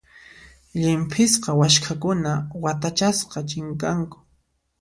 Llimp'isqa waskhakuna watachasqa chinkanku.